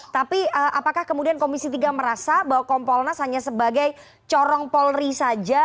tapi apakah kemudian komisi tiga merasa bahwa kompolnas hanya sebagai corong polri saja